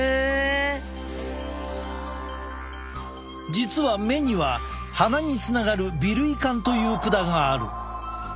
実は目には鼻につながる鼻涙管という管がある。